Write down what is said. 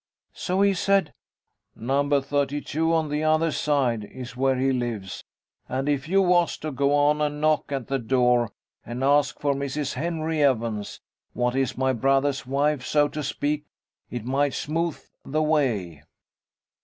So he said, 'No. 32, on the other side, is where he lives, and if you was to go on and knock at the door, and ask for Mrs. Henry Evans, what is my brother's wife, so to speak, it might smooth the way.'